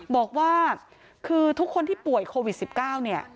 บอกว่าคือทุกคนที่ป่วยโควิด๑๙เนี่ย